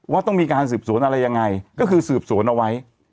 ว่าต้องมีการสืบสวนอะไรยังไงก็คือสืบสวนเอาไว้